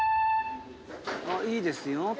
いいですよ。